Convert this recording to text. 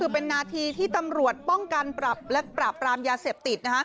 เป็นนาทีที่ตำรวจป้องกันปรับและปราบปรามยาเสพติด